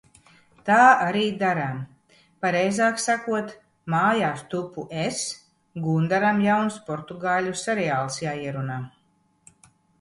Tā arī darām. Pareizāk sakot, mājās tupu es, – Gundaram jauns portugāļu seriāls jāierunā.